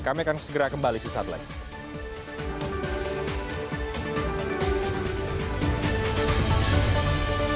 kami akan segera kembali sesaat lagi